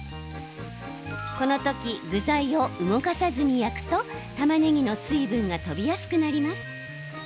この時、具材を動かさずに焼くとたまねぎの水分が飛びやすくなります。